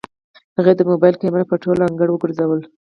هغې د موبايل کمره په ټول انګړ وګرځوله.